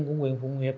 của nguyện phụng hiệp